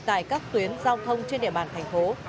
tại các tuyến giao thông trên địa bàn thành phố